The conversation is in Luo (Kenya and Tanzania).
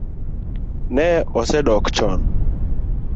Ne osedok chon